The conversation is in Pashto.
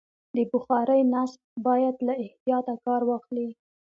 د بخارۍ نصب باید له احتیاطه کار واخلي.